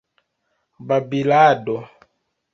babilado